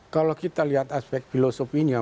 kalau kita lihat aspek filosofinya